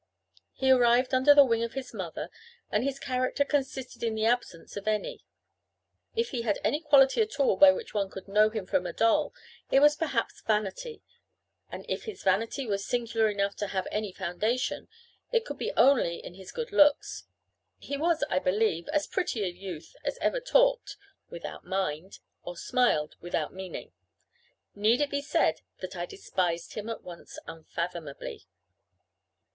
He arrived under the wing of his mother, and his character consisted in the absence of any. If he had any quality at all by which one could know him from a doll, it was perhaps vanity; and if his vanity was singular enough to have any foundation, it could be only in his good looks. He was, I believe, as pretty a youth as ever talked without mind, or smiled without meaning. Need it be said that I despised him at once unfathomably?